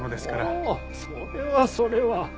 おおそれはそれは。